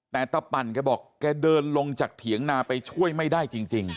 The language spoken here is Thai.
แต่ตะปั่นแกบอกแกเดินลงจากเถียงนาไปช่วยไม่ได้จริง